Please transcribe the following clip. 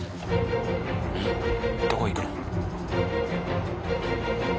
どこ行くの？